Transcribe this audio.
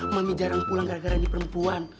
memilih jarang pulang gara gara ini perempuan